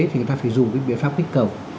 thì người ta phải dùng biện pháp kích cầu